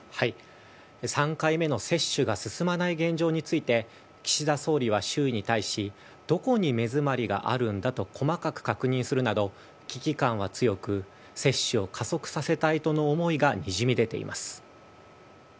３回目の接種が進まない現状について、岸田総理は周囲に対し、どこに目詰まりがあるんだと細かく細かく確認するなど、危機感は強く、接種を加速させたいとの思いがにじみ出ています。